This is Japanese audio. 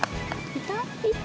いた。